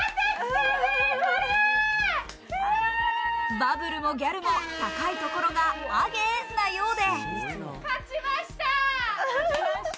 バブルもギャルも、高いところがアゲなようで。